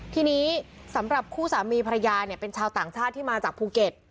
ทีนี้สำหรับคู่สามีภรรยาเนี่ยเป็นชาวต่างชาติที่มาจากภูเก็ต